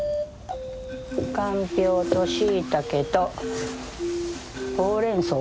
かんぴょうとしいたけとほうれんそう。